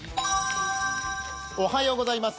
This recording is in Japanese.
おはようございます。